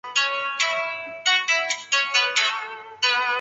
但在某些人身上可能会持续再发。